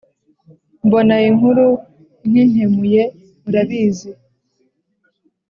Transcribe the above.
mbona inkuru inkenkemuye murabizi